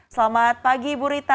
selamat pagi ibu rita